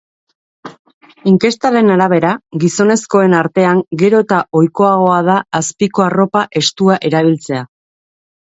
Inkestaren arabera, gizonezkoen artean gero eta ohikoagoa da azpiko arropa estua erabiltzea.